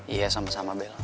iya sama sama bel